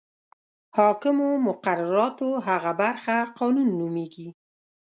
حاکمو مقرراتو هغه برخه قانون نومیږي.